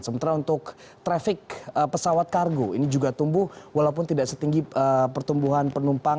sementara untuk traffic pesawat kargo ini juga tumbuh walaupun tidak setinggi pertumbuhan penumpang